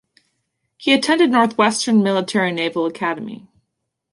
He attended Northwestern Military Naval Academy.